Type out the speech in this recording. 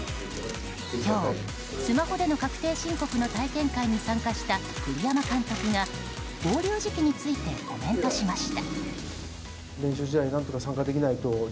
今日、スマホでの確定申告の体験会に参加した栗山監督が合流時期についてコメントしました。